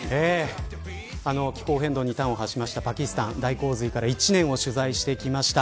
気候変動に端を発しましたパキスタン大洪水から１年、を取材してきました。